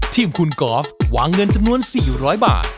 ทีมคุณกอล์ฟวางเงินจำนวน๔๐๐บาท